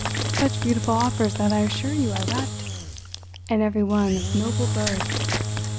Such beautiful offers that I assure you I wept—and every one of noble birth.